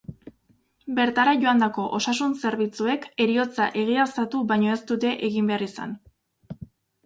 Bertara joandako osasun zerbitzuek heriotza egiaztatu baino ez dute egin behar izan.